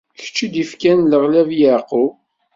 D kečč i d-ifkan leɣlab i Yeɛqub!